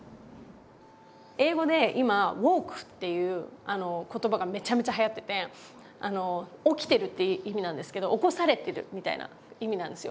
英語で今Ｗｏｋｅっていう言葉がめちゃめちゃはやってて起きてるって意味なんですけど起こされてるみたいな意味なんですよ。